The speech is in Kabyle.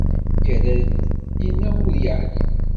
Yerra-d, yenna ur yeεlim.